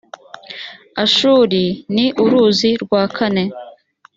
ashuri ni uruzi rwa kane